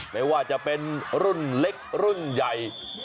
ไม่ว่าจะเป็นรุ่นเล็กรุ่นใหญ่